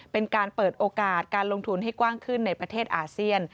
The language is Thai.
เป็นการเปิดโอกาสการลงทุนให้กว้างขึ้นในประเทศอาเซียน